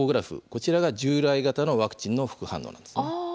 こちらが従来型のワクチンの副反応なんですね。